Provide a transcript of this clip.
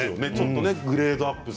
グレードアップ。